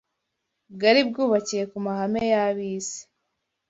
bwari bwubakiye ku mahame y’ab’isi